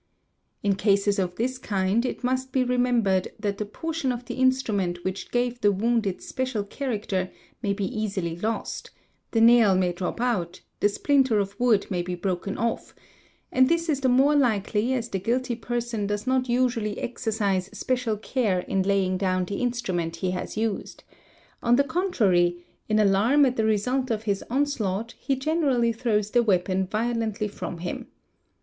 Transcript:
In cases of this kind it must be remembered that the portion of the instrument which gave the wound its special character may be easily lost ; the nail may drop out, the splinter of wood may be broken off: and this is the more likely as the guilty person does not usually exercise special care in laying down the instrument he has used; on the contrary, in alarm at the result of his onslaught, he generally throws the weapon violently from him.